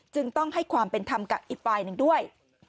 จึงต้องให้ความเป็นธรรมกับอีกฝ่ายหนึ่งด้วย